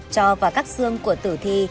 cho vào các xương của tử thi